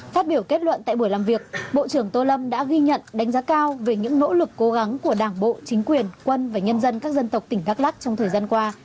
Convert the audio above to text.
phát biểu kết luận tại buổi làm việc bộ trưởng tô lâm đã ghi nhận đánh giá cao về những nỗ lực cố gắng của đảng bộ chính quyền quân và nhân dân các dân tộc tỉnh đắk lắc trong thời gian qua